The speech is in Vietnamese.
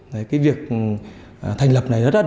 cái việc thành lập này rất đáng